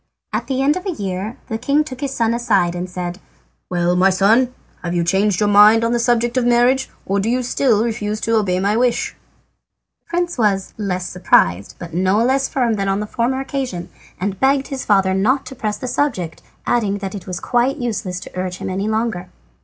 At the end of a year the king took his son aside, and said: "Well, my son, have you changed your mind on the subject of marriage, or do you still refuse to obey my wish?" The prince was less surprised but no less firm than on the former occasion, and begged his father not to press the subject, adding that it was quite useless to urge him any longer.